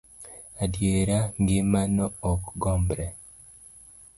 Adiera ngima no ok gombre.